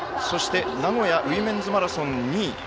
名古屋のウィメンズマラソン２位。